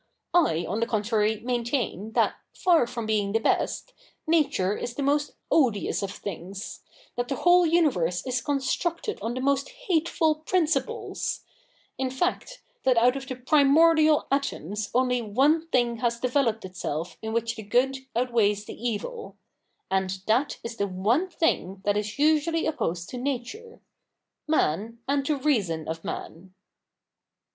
I on the contrary maintain that, far from being the best. Nature is the most odious of things — that the whole universe is constructed on the most hateful principles ; in fact, that out of the primordial atoms only one thing has developed itself in which the good outweighs the evil ; and that is the one thing that is usually opposed to Nature — man, and the reason of man.'